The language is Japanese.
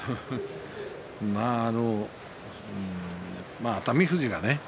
まあ、熱海富士がね